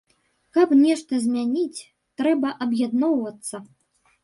Каб нешта змяніць, трэба аб'ядноўвацца.